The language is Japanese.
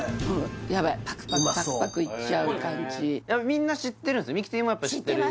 みんな知ってるんですね？